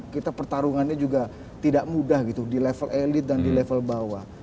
kita pertarungannya juga tidak mudah gitu di level elit dan di level bawah